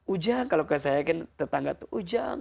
ujang kalau saya yakin tetangga tuh ujang